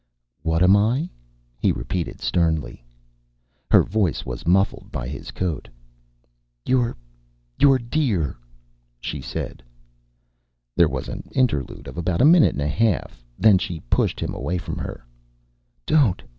"What am I?" he repeated sternly. Her voice was muffled by his coat. "You're you're dear!" she said. There was an interlude of about a minute and a half, then she pushed him away from her. "Don't!"